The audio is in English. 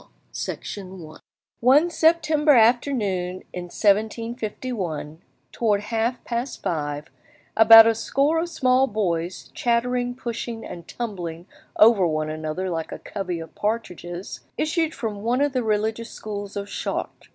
] *DERUES* One September afternoon in 1751, towards half past five, about a score of small boys, chattering, pushing, and tumbling over one another like a covey of partridges, issued from one of the religious schools of Chartres.